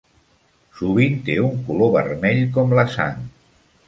Sovint té un color vermell com la sang.